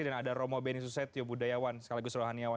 dan ada romo beni susetio budayawan sekaligus rohani yawan